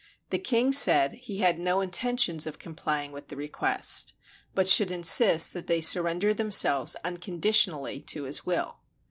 The king said he had no intentions of com plying with the request, but should insist that they sur render themselves unconditionally to his will.